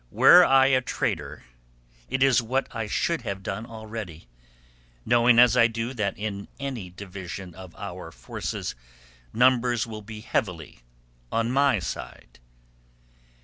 "Were I a traitor it is what I should have done already, knowing as I do that in any division of our forces, numbers will be heavily on my side.